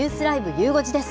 ゆう５時です。